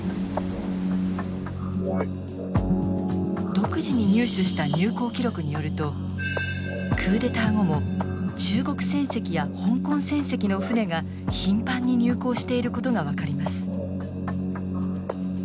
独自に入手した入港記録によるとクーデター後も中国船籍や香港船籍の船が頻繁に入港していることが分かります。